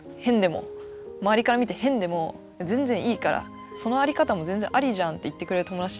周りから見て変でも全然いいからその在り方も全然ありじゃん」って言ってくれる友達